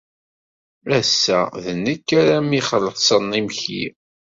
Ass-a d nekk ara am-ixellṣen imekli.